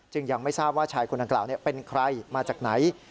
ยังไม่ทราบว่าชายคนดังกล่าวเป็นใครมาจากไหน